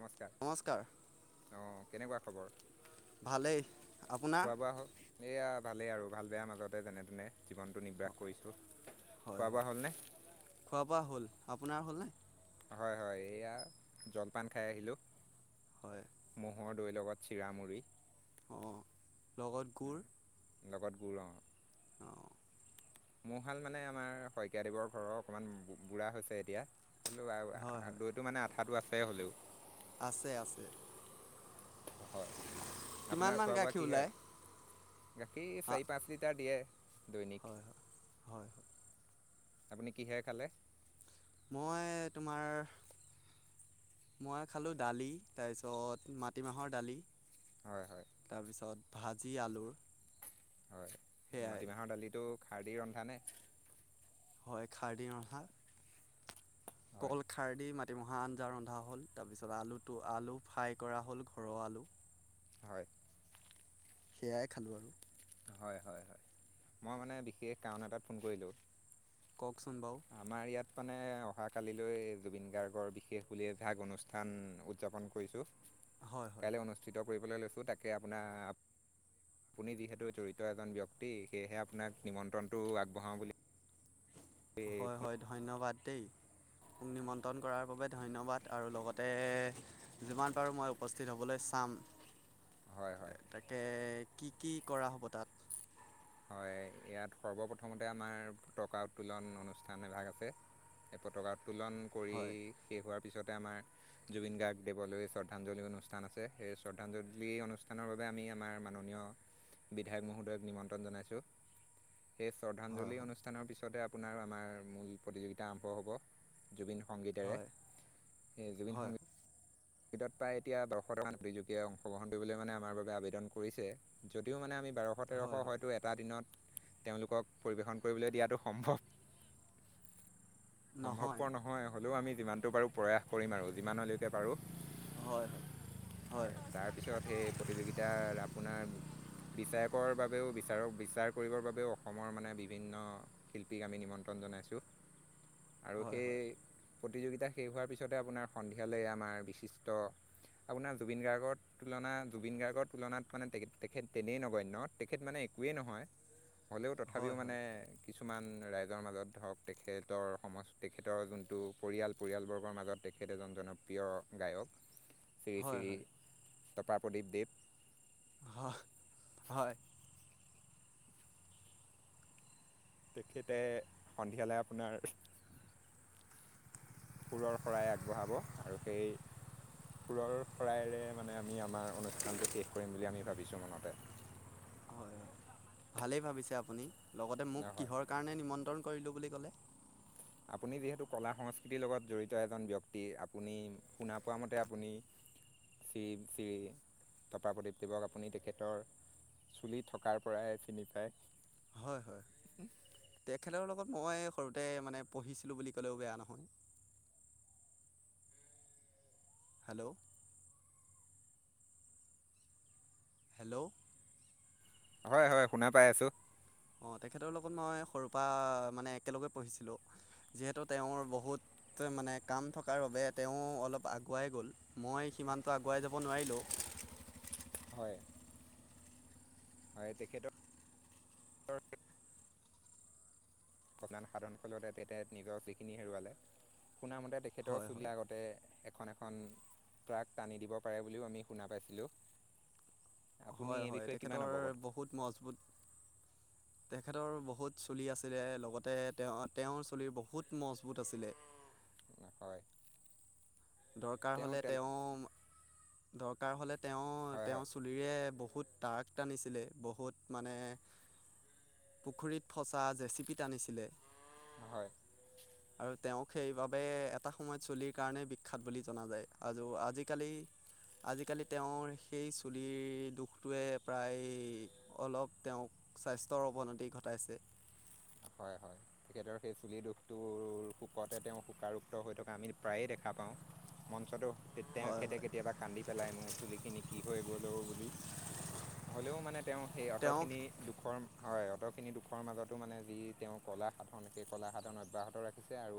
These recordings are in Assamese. নমস্কাৰ অঁ কেনেকুৱা খবৰ ভালেই আপোনাৰ খোৱা বোৱা হ এইয়া ভালেই আৰু ভাল বেয়া মাজতে যেনে তেনে জীৱনটো নিৰ্বাহ কৰিছোঁ হয় খোৱা হয় বোৱা হ'লনে? খোৱা বোৱা হ'ল আপোনাৰ হ'লনে হয় হয় এইয়া জলপান খাই আহিলোঁ হয় ম'হৰ দৈৰ লগত চিৰা মুড়ি অঁ লগত গুৰ লগত গুৰু অ মহাল মানে আমাৰ শইকীয়াদেৱৰ ঘৰৰ অকমান বু হলেও আ হয় আ হয় দৈতটো মানে আঠাতটো আছে হ'লেও আছে আছে হয় কিমান আপোনাৰ মান খোৱা বোৱা গাখীৰ ওলাই কিহেৰে গাখীৰ চাৰি পাঁচ লিটাৰ দিয়ে হয় দৈনিক হয় হয় হয় আপুনি কিহে খালে মই তোমাৰ মই খালোঁ দালি তাৰপিছত মাটিমাহৰ দালি হয় হয় তাৰপিছত ভাজি আলুৰ হয় সেয়াই মাটিমাহৰ দালিতটো খাৰ দি ৰন্ধা নে হয় খাৰদি ৰন্ধা হয় কল খাৰ দি মাতি মিতিমাহা আঞ্জা ৰন্ধা হ'ল তাৰপিছত আলুটো আলু ফ্ৰাই কৰা হ'ল ঘৰৰ আলু হয় সেইয়াই খালো আৰু হয় হয় হয় মই মানে বিশেষ কাৰণ এটাত ফোন কৰিলোঁ কওকচোন বাৰু আমাৰ ইয়াত মানে অহাকালিলৈ জুবিন গাৰ্গৰ বিশেষ বুলি অভ্যাস অনুষ্ঠান উদযাপন কৰিছোঁ হয় হয় কাইলৈ অনুষ্ঠিত কৰিবলৈ লৈছোঁ তাকে আপোনাৰ আপুনি যিহেতু জড়িত এজন ব্যক্তি সেয়েহে আপোনাক নিমন্ত্ৰণটো আগবঢ়াওঁ বুলি হয় হয় ধন্যবাদ দেই মোক নিমন্ত্ৰণ কৰাৰ বাবে ধন্যবাদ আৰু লগতে যিমান পাৰোঁ মই উপস্থিত হ'বলৈ চাম হয় হয় তাকে কি কি কৰা হ'ব তাত হয় ইয়াত সৰ্বপ্ৰথমতে আমাৰ পতকা উত্তোলন অনুষ্ঠান এভাগ আছে। এই পতাক উত্তোলন কৰি হয় শেষ হোৱাৰ। পিছতে আমাৰ জুবিন গাৰ্গ দেৱলৈ শ্ৰদ্ধাঞ্জলি অনুষ্ঠান আছে সেই শ্ৰদ্ধাঞ্জলি অনুষ্ঠানৰ বাবে। আমি আমাৰ মাননীয় বিধায়ক মহোদয়ক নিমন্ত্ৰণ জনাইছো। হয় শ্ৰদ্ধাঞ্জলি হয় অনুষ্ঠানৰ পিছতে আপোনাৰ আমাৰ মূল প্ৰতিযোগিতা আৰম্ভ হ'ব জুবিন। সংগীতেৰে হয় সেই জুবিন হয় সংগীত। ক্ৰিকটত প্ৰায় এতিয়া দহশটামান প্ৰতিযোগিয়ে অংশগ্ৰহণ কৰিবলৈ মানে আমাৰ বাবে আবেদন কৰিছে যদিও মানে আমি। বাৰশ তেৰশ হয় হয় হয়তো এটা দিনত। তেওঁলোকক পৰিৱেশন কৰিবলৈ দিয়াটো সম্ভৱ সম্ভৱপৰ নহয় হ'লেও আমি যিমানতটো পাৰো প্ৰয়াস কৰিম আৰু যিমানলৈকে পাৰো। হয় হয় হয় তাৰপিছত সেই প্ৰতিযোগিতাৰ আপোনাৰ বিচাৰকৰ বাবেও বিচাৰক বিচাৰ কৰিবৰ বাবেও অসমৰ মানে বিভিন্ন শিল্পীক আমি নিম নিমন্ত্ৰণ জনাইছোঁ আৰু হয় সেই হয় প্ৰতিযোগিতা শেষ হোৱাৰ পিছতে আপোনাৰ সন্ধিয়ালৈ আমাৰ। বিশিষ্ট আপোনাৰ জুবিন গাৰ্গৰ তুলনা জুবিন গাৰ্গৰ তুলনাত মানেত তেখেত তেনেই নগনয় তেখেত মানে। একোৱেই নহয় হ'লেও তথাপিও হয় হয় মানে হয় কিছুমান ৰাইজৰ মাজত ধৰক তেখেতৰ সম তেখেতৰ যোনটো পৰিয়াল পৰিয়ালবৰ্গৰ মাজত তেখেতে এজন জনপ্ৰিয় গায়ক শ্ৰী হয় শ্ৰী তপা প্ৰদীপ দেৱ। হয় তেখেতে সন্ধিয়ালৈ আপোনাৰ। সুৰৰ শৰাই আগবঢ়াব আৰু সেই সুৰৰ শৰাইৰে মানে আমি আমাৰ অনুষ্ঠানটো শেষ কৰিম বুলি আমি ভাবিছোঁ মনতে। হয় হয় ভালেই ভাবিছে আপুনি লগতে মোক হয় কিহৰ কাৰণে নিমন্ত্ৰণ কৰিলো বুলি ক'লে আপুনি যিহেতু কলা সংস্কৃতিৰ লগত জড়িত এজন ব্যক্তি আপুনি শুনা পোৱা মতে আপুনি শ্ৰী শ্ৰী তপা প্ৰদীপ দেৱক আপুনি তেখেতৰ চুলি থকাৰ পৰাই চিনি পায়। হয় হয় তেখেতৰ লগত মই সৰুতে মানে পঢ়িছিলোঁ বুলি ক'লেও বেয়া নহয়। হেল্ল'! হেল্ল'! হয় হয় শুনা পাই আছো। অ তেখেতৰ লগত মই সৰুৰ পৰা মানে একেলগে পঢ়িছিলোঁ। যিহেতু তেওঁৰ বহুত ত মানে কাম থকাৰ বাবে তেওঁ অলপ আগুৱাই গ'ল মই সিমানটো আগুৱাই যাব নোৱাৰিলো। [inaudible] হয়। হয় তেখেতক সটান সাধন কালতে তেখেত নিজৰ যিখিনি হেৰুৱালে শুনামতে তেখেতৰ হয় চুলিৰ হয় আগতে এখন এখন ট্ৰাক টানি দিব পাৰে বুলিও আমি শুনা পাইছিলোঁ। আপুনি হয় এই হয় বিষয়ে কিমান তেখেতৰ অৱগত বহুত মজবুত তেখেতৰ বহুত চুলি আছিলে লগতে তেওঁ তেওঁৰ চুলি বহুত মজবুত আছিলে। হয়। দৰকাৰ তেওঁ হলে তেল তেওঁ দৰকাৰ হলে তেওঁ হয় তেওঁৰ হয় চুলিৰে বহুত বহুত ট্ৰাক টানিছিলে বহুত মানে পুখুৰীত ফচা জেচিপি টানিছিলে। হয়। আৰু তেওঁক সেইবাবে এটা সময়ত চুলিৰ কাৰণে বিখ্যাত বুলি জনা যায়। আৰু আজিকালি আজিকালি তেওঁৰ সেই চুলিৰ দুখটোৱে প্ৰায় অলপ তেওঁক স্বাস্থ্যৰ অৱনতি ঘটাইছে। হয়, হয়। তেখেতৰ সেই চুলি দুখটোৰ শোকতে তেওঁ শোকাৰুক্ত হৈ থকা আমি প্ৰায়ে দে দেখা পাওঁ। মঞ্চতো হয় তেখেতে হয় কেতিয়াবা কান্দি পেলাই মোৰ চুলি খিনি কি হৈ গ'ল অ বুলি। হ'লেও মানে তেওঁ সেই তেওঁক অট'খিনি দুখৰ হয় অট'খিনি দুখৰ মাজতো মানে তেওঁ কলা সাধনকে কলা সাধন অব্যাহত ৰাখিছে আৰু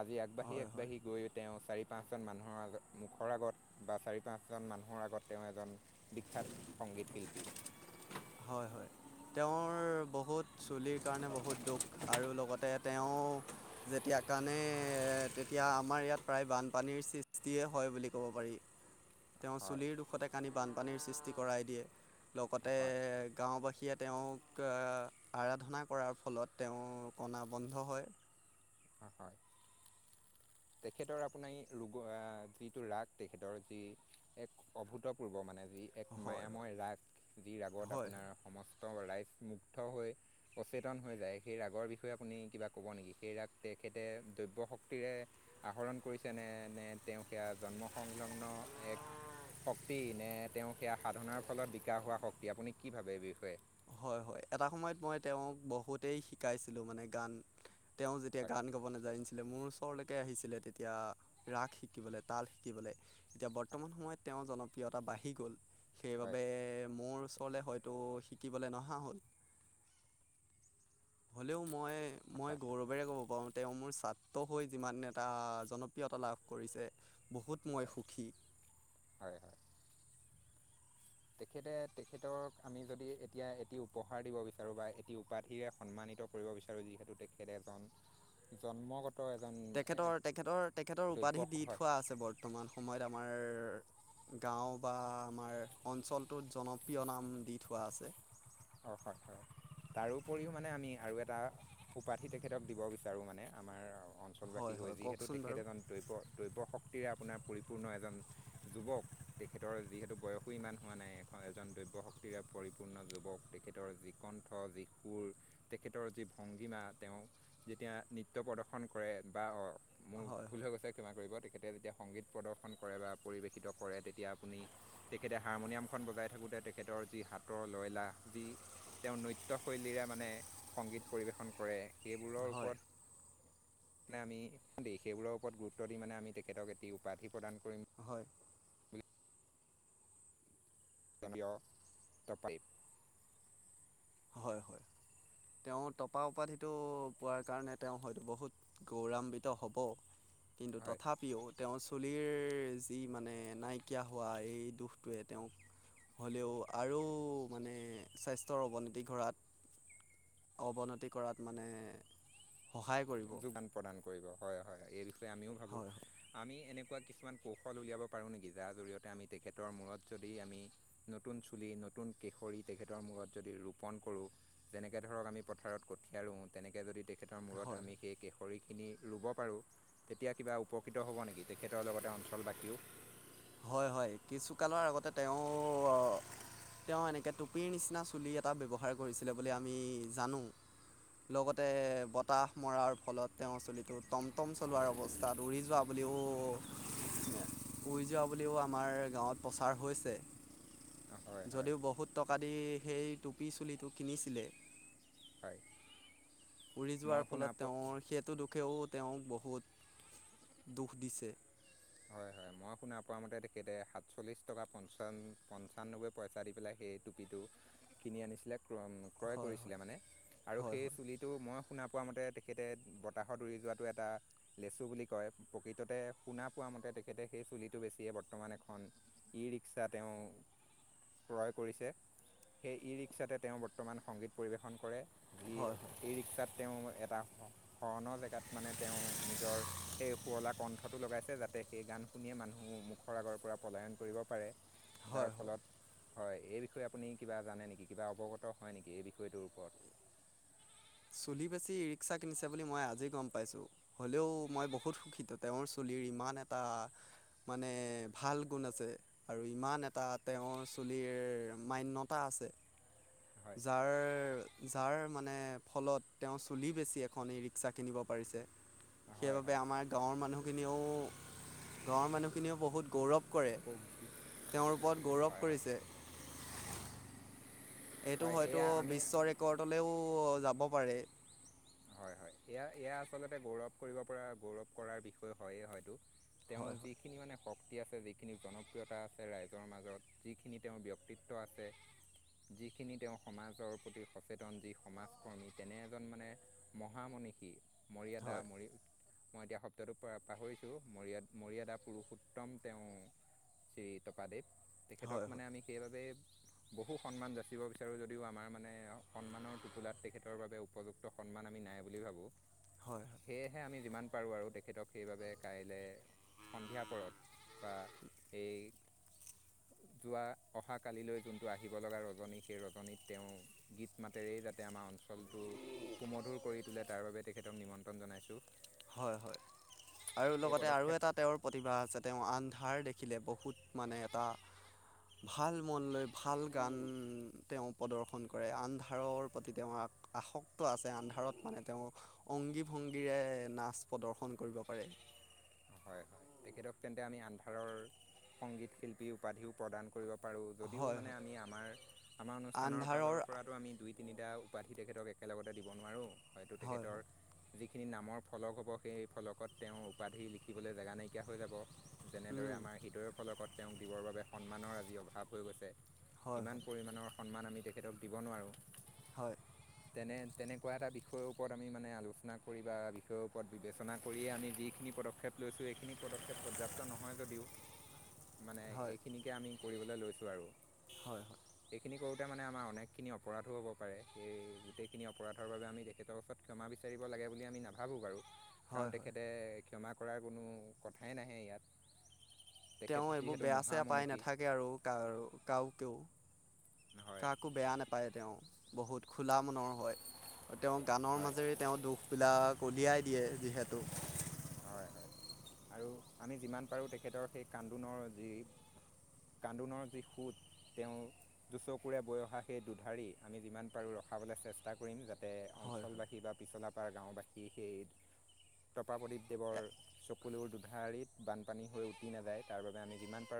আজি আগবাঢ়ি হয় হয় আগবাঢ়ি গৈ তেওঁ চাৰি, পাঁচজন মানুহৰ আগত মুখৰ আগত বা চাৰি পাঁচজন মানুহৰ আগত তেওঁ এজন বিখ্যাত সংগীত শিল্পী। হয়, হয়। তেওঁৰ বহুত চুলিৰ কাৰণে বহুত দুখ আৰু লগতে তেওঁ যেতিয়া তাৰ কাৰণে তেতিয়া আমাৰ ইয়াত প্ৰায় বানপানীৰ সৃষ্টিয়ে হয় বুলি ক'ব পাৰি। তেওঁ হয় চুলিৰ দুখতে কানি বানপানীৰ সৃষ্টি কৰাই দিয়ে। লগতে হয় গাঁওবাসীয়ে তেওঁক আৰাধনা কৰাৰ ফলত তেওঁ কনা বন্ধ হয়। হয় তেখেতৰ আপোনাৰ এই ৰোগ আহ যিটো ৰাগ তেখেতৰ যি এক অভূতপূৰ্ব মানে। যি এক হয় মায়াময় ৰাগ, যি হয় ৰাগত হয় আপোনাৰ সমস্ত ৰাইজ মুগ্ধ হৈ সচেতন হৈ যায়। সেই ৰাগৰ বিষয়ে আপুনি কিবা ক'ব নেকি? সেই ৰাগ তে তেখেতে দ্ৰব্য শক্তিৰে আহৰণ কৰিছে নে? নে তেওঁ সেয়া জন্ম সংলগ্ন এক শক্তি নে? তেওঁৰ সেয়া সাধনাৰ ফলত বিকাশ হোৱা শক্তি আপুনি কি ভাবে এই বিষয়ে? হয়, হয় এটা সময়ত মই তেওঁক বহুতেই শিকাইছিলোঁ মানে গান। তেওঁ যেতিয়া হয় গান গাব নাজানিছিল। মোৰ ওচৰলৈকে আহিছিলে তেতিয়া ৰাগ শিকিবলে, তাল শিকিবলে। এতিয়া হয় বৰ্তমান সময়ত তেওঁ তেওঁ জনপ্ৰিয়তা বাঢ়ি গ'ল। হয় সেইবাবে মোৰ ওচৰলে হয়তো শিকিবলৈ নহা হ'ল। হ'লেও মই মই হয় গৌৰৱেৰে ক'ব পাৰো, তেওঁ মোৰ ছাত্ৰ হৈ যিমান এটা জনপ্ৰিয় তা লাভ কৰিছে বহুত মই হয় সুখী। হয়, হয়। তেখেতে তেখেতক আমি যদি এতিয়া এটি উপহাৰ দিব বিচাৰো বা এটি উপাধিৰে সন্মানিত কৰিব বিচাৰো যিহেতু তেখেত এজন জন্মগ তেখেতৰ-তেখেতৰ-তেখেতৰ দ্ৰব্য উপাধি দি হয় থোৱা আছে বৰ্তমান সময়ত আমাৰ গাঁও বা আমাৰ অঞ্চলটোত জনপ্ৰিয় নাম দি থোৱা আছে। অ তাকে। তাৰোপৰিও মানে আমি আৰু এটা উপাধি তেখেতক দিব বিচাৰো মানে আমাৰ অঞ্চলবাসী হয় হৈ হয় যিহেতু কওকচোন তেখেত বাৰু এজন দৈব্য-দৈব্য শক্তিৰে আপোনাৰ পৰিপূৰ্ণ এজন যুৱক। তেখেতৰ যিহেতু বয়সো ইমান হোৱা নাই। এখন এজন দৈব্য শক্তিৰে পৰিপূৰ্ণ যুৱক। তেখেতৰ যি কণ্ঠ, যি সুৰ তেখেতৰ যি ভংগীমা। তেওঁ যেতিয়া নৃত্য প্ৰদৰ্শন কৰে বা অঁ মোৰ হয় ভুল হৈ হয় গৈছে ক্ষমা কৰিব। তেখেতে যেতিয়া সংগীত প্ৰদৰ্শন কৰে বা পৰিৱেশিত কৰে। তেতিয়া আপুনি তেখেতে হাৰমনিয়ামখন বজাই থাকোঁ তে তেখেতৰ যি হাতৰ লয়লা, যি তেওঁৰ নৃত্যশৈলীৰে মানে সংগীত পৰিৱেশন কৰে। সেইবোৰৰ হয় ওপৰত মানে আমি দেই সেইবোৰৰ ওপৰত গুৰুত্ব দি মানে আমি তেখেতক এটি উপাধি প্ৰদান কৰিম। হয় বুলি [unintelligible] হয়, হয়। তেওঁ টপা উপাধিটো পোৱাৰ কাৰণে তেওঁ হয়তো বহুত গৌৰাান্বিত হব। কিন্তু হয় তথাপিও তেওঁ চুলিৰ যি মানে নাইকিয়া হোৱা এই দোষটোৱে তেওঁক হ'লেও আৰু মানে স্বাস্থ্যৰ অৱনতি ঘৰাত অৱনতি কৰাত মানে সহায় কৰিব যোগদান প্ৰদান কৰিব। হয় হয়, এই বিষয়ে আমিও ভাবো। হয় আমি এনে তেনেকুৱা কিছুমান কৌশল উলিয়াব পাৰো নেকি যাৰ জৰিয়তে আমি তেখেতৰ মূৰত যদি আমি নতুন চুলি নতুন কেশৰী তেখেতৰ মূৰত যদি ৰোপণ কৰোঁ। যেনেকে ধৰক আমি পথাৰত কঠীয়া ৰোওঁ। তেনেকে যদি তেখে হয়। খিনি ৰুব পাৰোঁ। তেতিয়া কিবা উপকৃত হ'ব নেকি? তেখেতৰ লগতে অঞ্চল বাখিও। হয় হয় কিছু কালৰ আগতে তেওঁ। তেওঁ এনেকে টুপিৰ নিচিনা চুলি এটা ব্যৱহাৰ কৰিছিলে বুলি আমি জানো। লগতে বতাহ মৰাৰ ফলত তেওঁ চুলিটো টমটম চলোৱাৰ অৱস্থাত উৰি যোৱা বুলি। অ। দুখীয়া বুলিও আমাৰ গাওঁ ত প্ৰচাৰ হৈছে। হয় হয় যদিও বহুত টকা সেই টোপি চুলিটো কিনিছিলে। হয়। উৰি মই যোৱাৰ শুনা ফলত পোৱা তেওঁৰ সেইটো দুখেও তেওঁক বহুত দুখ দিছে। হয় হয়। মই শুনা পোৱা মতে তেখেতে সাতচল্লিশ টকা পঞ্চান পঞ্চান্নব্বৈ পইচা দি পেলাই। সে টুপি টো কিনি আনিছিলে। ক্ৰম ক্ৰয় হয় কৰিছিলে হয় মানে। আৰু হয় সেই হয় চুলিটো মই শুনা পোৱা মতে তেখেতে বতাহত উৰি যোৱাটো এটা লেচু বুলি কয়। প্ৰকৃততে সোনা পোৱা মতে তেখেতে সেই চুলিটো বেছিয়ে বৰ্তমান এখন ই ৰিক্সা তেওঁ ক্ৰয় কৰিছে। সেই ই ৰিক্সাতে তেওঁ বৰ্তমান সংগীত পৰিৱেশন কৰে। যি হয় হয়। ই ৰিক্সাত তেওঁ এটা হনৰ জেগাত মানে তেওঁ নিজৰ সেই শুৱলা কণ্ঠটো লগাইছে। যাতে তে সেই গান শুনিয়ে মানুহ মুখৰ আগৰ পৰা পলায়ন কৰিব পাৰে। হয় যাৰ হয় ফলত হয় এই বিষয়ে আপুনি কিবা জানে নেকি? কিবা অৱগত হয় নেকি এই বিষয়টোৰ ওপৰত? চুলি বেছি ৰিক্সা কিনিছে বুলি মই আজি গম পাইছো। হ'লেও মই বহুত সুখিত তেওঁৰ চুলি ৰ ইমান এটা মানে ভাল গুণ আছে আৰু ইমান এটা তেওঁৰ চুলিৰ মান্যতা আছে। হয় যাৰ যাৰ মানে ফলত তেওঁ চুলি বেছি এখন এই ৰিক্সা কিনিব পাৰিছে। হয় সেইবাবে হয় আমাৰ গাঁৱৰ মানুহখিনিয়েও। গাঁৱৰ মানুহখিনিয়েও বহুত গৌৰৱ কৰে তেওঁৰ ওপৰত গৌৰৱ হয় হয় কৰিছে [unintelligible] [inaudible] এইটো হয় হয়তো এয়া আমি বিশ্ব ৰেকৰ্ডলৈও যাব পাৰে হয় হয় এয়া এয়া আচলতে গৌৰৱ কৰিব পৰা গৌৰৱ কৰাৰ বিষয় হয়েই হয়তো তেওঁৰ হয় যিখিনি মানে শক্তি আছে যিখিনি জনপ্ৰিয়তা আছে ৰাইজৰ মাজত যিখিনি তেওঁৰ ব্যক্তিত্ব আছে যিখিনি তেওঁ সমাজৰ প্ৰতি সচেতন যি সমাজ কৰ্মী তেনে এজন মানে মহামনিষী হয় মৰিয়াদা হয় মৰি মই এতিয়া শব্দটো পাহৰিছো মৰিয় মৰিয়াদা পুৰুষোত্তম তেওঁ শ্ৰী তপাদেৱ তেখেতক হয় হয় মানে আমি সেইবাবে বহু সন্মান যাচিব বিচাৰো যদিও আমাৰ মানে সন্মানৰ টোপোলাত তেখেতৰ বাবে উপযুক্ত আমি নাই বুলি ভাবোঁ হয় হয় সেয়েহে আমি যিমান পাৰো আৰু তেখেতক সেইবাবে কাইলে সন্ধিয়া পৰত বা এই যোৱা অহা কালিলৈ যোনটো আহিব লগা ৰজনী সেই ৰজনীত তেওঁ গীত মাতেৰে যাতে আমাৰ অঞ্চলটো সুমধুৰ কৰি তোলে তাৰ বাবে তেখেতক নিমন্ত্ৰণ জনাইছো হয় হয় আৰু লগতে আৰু পদক্ষেপ এটা তেওঁৰ প্ৰতিভা আছে তেওঁ আন ধাৰ দেখিলে বহুত মানে এটা ভাল মন লৈ ভাল গান তেওঁ প্ৰদৰ্শন কৰে আন ধাৰৰ প্ৰতি তেওঁ আসক্ত আছে আন্ধাৰত মানে তেওঁ অংগী ভংগীৰে নাচ প্ৰদৰ্শন কৰিব পাৰে হয় হয় তেখেতক তেন্তে আমি আন্ধাৰৰ সংগীত শিল্পী উপাধিও প্ৰদান কৰিব পাৰো যদিও হয় মানে হয় আমি আমাৰ আমাৰ অনুষ্ঠানৰ আন্ধাৰৰ ফালৰ পৰাটো আমি দুই তিনিটা উপাধি তেখেতক একেলগতে দিব নোৱাৰোঁ হয়তো হয় তেখেতৰ হয় যিখিনি নামৰ ফলক হ'ব সেই ফলকত তেওঁৰ উপাধি লিখিবলৈ জেগা নাইকিয়া হৈ যাব যেনেদৰে উম, আমাৰ হৃদয়ৰ ফলকত তেওঁক দিবৰ বাবে সন্মানৰ আজি অভাৱ হৈ গৈছে হয় ইমান হয় পৰিমাণৰ সন্মান আমি তেখেতক দিব নোৱাৰোঁ হয় তেনে তেনেকুৱা এটা বিষয়ৰ ওপৰত আমি মানে আলোচনা কৰি বা বিষয়ৰ ওপৰত বিবেচনা কৰিয়েই আমি যিখিনি পদক্ষেপ লৈছো এইখিনি পদক্ষেপ পৰ্যাপ্ত নহয় যদিও মানে হয় এইখিনিকে আমি কৰিবলৈ লৈছোঁ আৰু হয় হয় এইখিনি কৰোঁতে মানে আমাৰ অনেকখিনি অপৰাধো হ'ব পাৰে সেই গোটেইখিনি অপৰাধৰ বাবে আমি তেখেতৰ ওচৰত ক্ষমা বিচাৰিব লাগে বুলি আমি নাাভাবোঁ বাৰু হয় কাৰণ হয় তেখেতে ক্ষমা কৰাৰ কোনো কথাই নাহে ইয়াত তেখেত তেওঁ এইবোৰ যিহেতু বেয়া চেয়া পাই মহামনিষী নাথাকে আৰু কাওকেও হয় কাকো বেয়া নাপায় তেওঁ বহুত খোলা মনৰ হয় তেওঁ গানৰ হয় মাজেৰে তেওঁ দুখবিলাক উলিয়াই দিয়ে যিহেতু হয় হয় আৰু আমি যিমান পাৰোঁ তেখেতৰ সেই কান্দোনৰ যি কান্দোনৰ যি সোঁত তেওঁ দুচকুৰে বৈ অহা সেই দুধাৰি আমি যিমান পাৰোঁ ৰখাবলৈ চেষ্টা কৰিম যাতে সে হয় হয় অঞ্চলবাসী বা পিছলাপাৰ গাঁওবাসী সেই তপাপদিপ দেৱৰ চকুলোৰ দুধাৰিত বানপানী হৈ উটি নাযায় তাৰ বাবে আমি যিমান পাৰোঁ